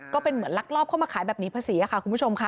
ก็เป็นเหมือนลักลอบเข้ามาขายแบบนี้ภาษีค่ะคุณผู้ชมค่ะ